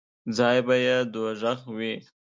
ځای به یې دوږخ وي.